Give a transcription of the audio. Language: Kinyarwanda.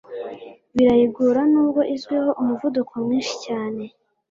birayigora nubwo izwiho umuvuduko mwinshi cyane